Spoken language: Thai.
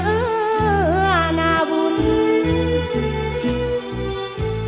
คนไทยรักชาและศาสนาชาติองเจ้าภูทรงเพียงเหนือนาวุ่น